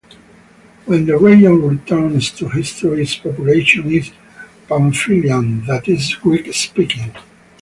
When the region returns to history its population is "Pamphylian", that is Greek-speaking.